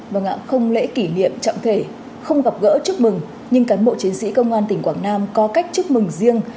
vâng ạ không lễ kỷ niệm trọng thể không gặp gỡ chúc mừng nhưng cán bộ chiến sĩ công an tỉnh quảng nam có cách chúc mừng riêng